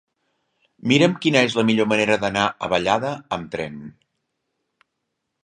Mira'm quina és la millor manera d'anar a Vallada amb tren.